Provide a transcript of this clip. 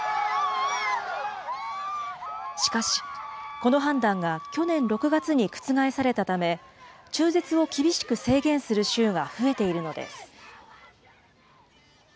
しかし、この判断が去年６月に覆されたため、中絶を厳しく制限する州が増えているのです。